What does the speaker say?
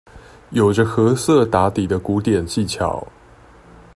有著褐色打底的古典技巧